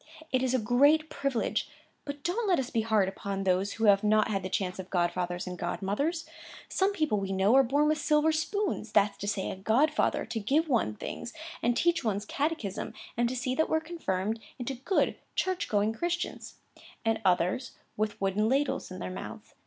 It is a great privilege, but don't let us be hard upon those who have not had the chance of godfathers and godmothers. Some people, we know, are born with silver spoons,—that's to say, a godfather to give one things, and teach one's catechism, and see that we're confirmed into good church going Christians,—and others with wooden ladles in their mouths.